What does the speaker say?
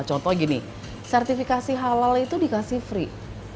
contoh gini sertifikasi halal itu dikasih free